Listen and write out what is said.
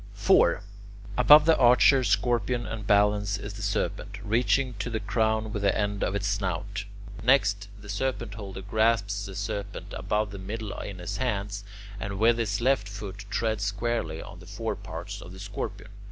4. Above the Archer, Scorpion, and Balance, is the Serpent, reaching to the Crown with the end of its snout. Next, the Serpent holder grasps the Serpent about the middle in his hands, and with his left foot treads squarely on the foreparts of the Scorpion.